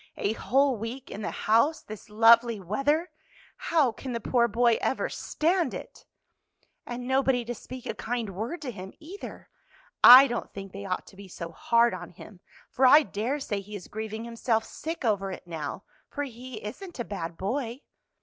A whole week in the house this lovely weather! How can the poor boy ever stand it! "And nobody to speak a kind word to him, either. I don't think they ought to be so hard on him, for I dare say he is grieving himself sick over it now, for he isn't a bad boy."